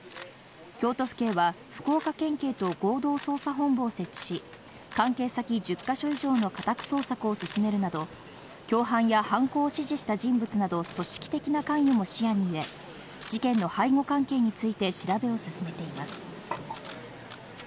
京都府警は福岡県警と合同捜査本部を設置し、関係先１０ヶ所以上の家宅捜索を進めるなど共犯や犯行を指示した人物など組織的な関与も視野に入れ、事件の背後関係について調べを進めています。